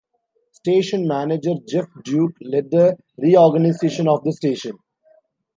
Station Manager Jeff Duke led a reorganization of the station.